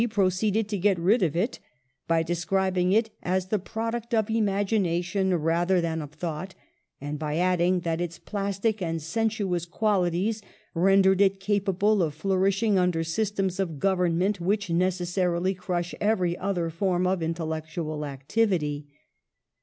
pro ceeded to get rid of it by describing it as the product of imagination rather than of thought, and by adding that its plastic and sensuous qualities rendered it capable of flourishing under systems of government which necessarily crush every other form of intellectual activity.